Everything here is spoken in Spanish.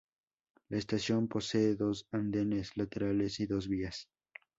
La estación posee dos andenes laterales y dos vías.